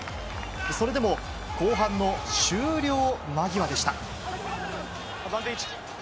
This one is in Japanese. それでも、後半の終了間際でした。